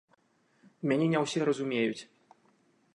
Мяне не ўсе разумеюць.